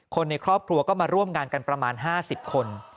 คนในครอบครัวก็มาร่วมงานกันประมาณ๕๐คน